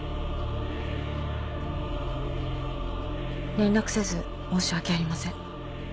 連絡せず申し訳ありません。